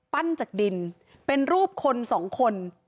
จากดินเป็นรูปคนสองคน